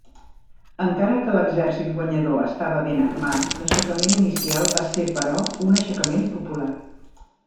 Encara que l'exèrcit guanyador estava ben armat, l'aixecament inicial va ser però un aixecament popular.